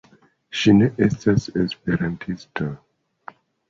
Ŝi ne estas esperantisto.